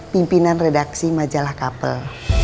pimpinan redaksi majalah kapel